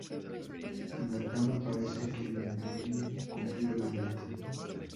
En la cama, parece que Marie cumplió la meta.